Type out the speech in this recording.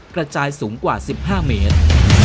กระจายสูงกว่าสิบห้าเมตร